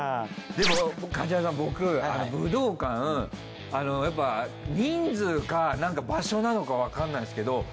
でも梶原さん僕武道館やっぱ人数かなんか場所なのかわかんないんですけど。